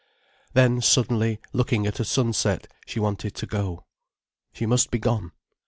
Then suddenly, looking at a sunset, she wanted to go. She must be gone.